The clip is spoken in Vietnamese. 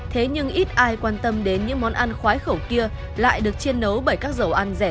thế nhưng ít ai quan tâm đến những món ăn khoái khẩu kia lại được chiên nấu bởi các dầu ăn rẻ